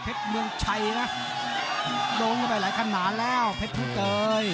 เผ็ดเมืองชัยนะโดนไปหลายขั้นหน้าแล้วเผ็ดเผ็ดเตย